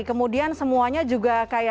kemudian semuanya juga kayak